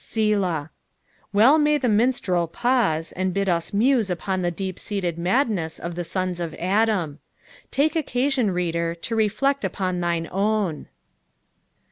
" SelaA." Well may the minstrel pauiie, and bid us muse upon the denp^eated madness of the sons of Adam. Take occaaioo, reader, to reflect upoa thine own.